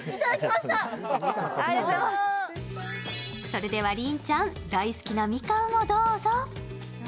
それでは、凜ちゃん大好きなみかんをどうぞ。